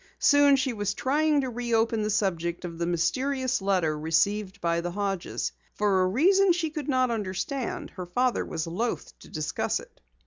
Soon she was trying to reopen the subject of the mysterious letter received by the Hodges. For a reason she could not understand, her father was loath to discuss it.